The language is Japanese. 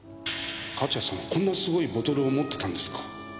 勝谷さんはこんなすごいボトルを持ってたんですか。